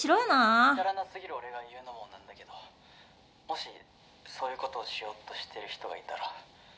「至らなすぎる俺が言うのもなんだけどもしそういうことをしようとしてる人がいたら」